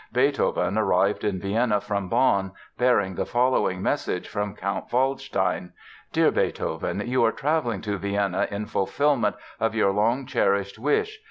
Beethoven arrived in Vienna from Bonn bearing the following message from Count Waldstein: "Dear Beethoven, you are traveling to Vienna in fulfillment of your long cherished wish.